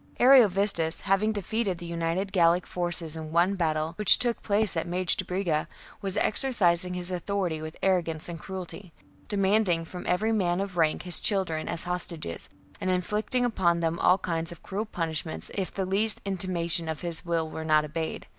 Ariovistus, having defeated the united Gallic forces in one battle, which took place at Magetobriga,^ was exercising his authority with arrogance and cruelty, demanding from every man of rank his children as hostages, and inflicting upon them all kinds of cruel punishments if the least intimation of his will were not obeyed.